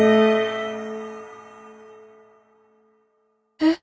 えっ？